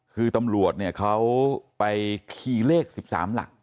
คือตำรวจเนี่ยเขาไปคีย์เลข๑๓หลัก